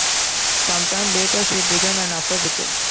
Some time later she began an affair with him.